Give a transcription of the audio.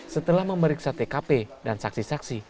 setelah memeriksa tkp dan saksi saksi